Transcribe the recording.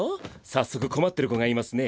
早速困ってる子がいますね。